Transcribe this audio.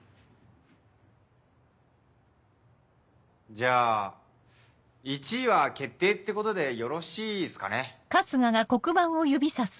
じゃあ１位は決定ってことでよろしいっすかね？